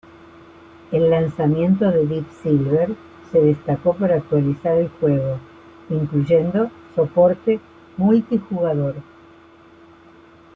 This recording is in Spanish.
El lanzamiento de Deep Silver se destacó por actualizar el juego, incluyendo soporte multijugador.